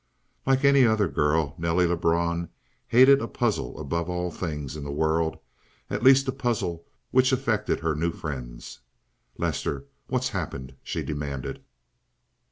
Like any other girl, Nelly Lebrun hated a puzzle above all things in the world, at least a puzzle which affected her new friends. "Lester, what's happened?" she demanded.